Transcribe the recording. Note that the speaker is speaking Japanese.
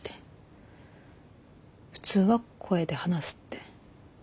普通は声で話すって。